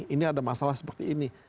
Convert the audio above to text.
ini ada masalah seperti ini